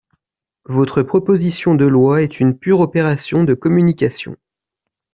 Votre proposition de loi est une pure opération de communication.